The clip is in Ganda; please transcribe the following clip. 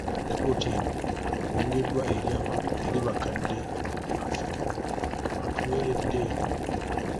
Alipoota eno ewongeddwa eri bakadde baffe abatuweeredde.